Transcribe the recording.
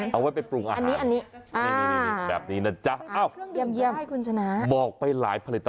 เอาไว้ไปปรุงอาหาร